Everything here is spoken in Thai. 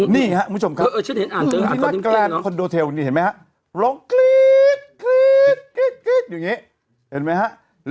นี่ครับคุณผู้ชมครับคอนโดเทลนี่เห็นมั้ยครับร้องกรี๊ดอยู่นี้เห็นมั้ยครับ